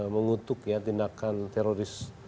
mengutuk ya tindakan teroris